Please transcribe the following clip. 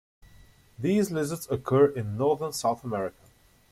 These lizards occur in northern South America.